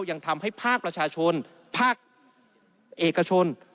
ยังทำให้ภาคประชาชนภาคเอกชน